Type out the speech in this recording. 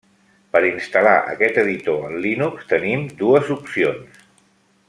Per instal·lar aquest editor en Linux tenim dues opcions.